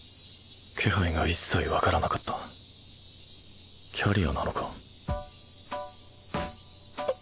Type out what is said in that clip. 気配が一切分からなかったキャリアなのか？